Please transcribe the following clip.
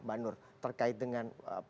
mbak nur terkait dengan